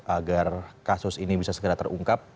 agar kasus ini bisa segera terungkap